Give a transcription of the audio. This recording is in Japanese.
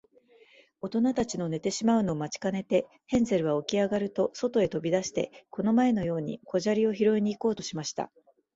おとなたちの寝てしまうのを待ちかねて、ヘンゼルはおきあがると、そとへとび出して、この前のように小砂利をひろいに行こうとしました。